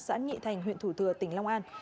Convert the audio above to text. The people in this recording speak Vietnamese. xã nhị thành huyện thủ thừa tỉnh long an